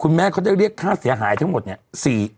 คุณแม่เค้าจะเรียกค่าเสียหายทั้งหมดเนี่ย